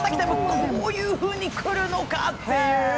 こういうふうに来るのかという。